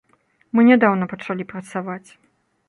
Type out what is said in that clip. Мы нядаўна пачалі працаваць.